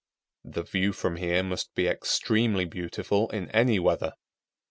The view from here must be extremely beautiful in any weather.